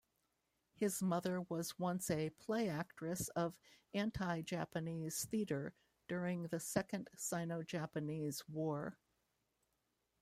His mother was once a playactress of Anti-Japanese Theatre during the Second Sino-Japanese War.